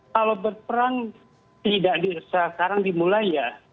kalau berperang tidak sekarang dimulai ya